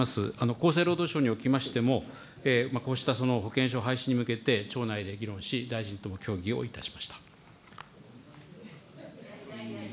厚生労働省におきましても、こうした保険証廃止に向けて、庁内で議論し、大臣との協議をいたしました。